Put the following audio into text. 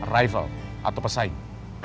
rival atau pesaing